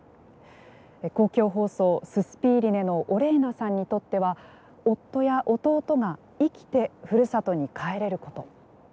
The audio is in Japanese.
公共放送ススピーリネのオレーナさんにとっては夫や弟が生きてふるさとに帰れること。